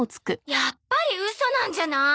やっぱりウソなんじゃない！